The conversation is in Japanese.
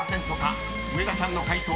［上田さんの解答６５％。